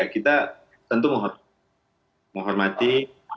kita tentu menghormati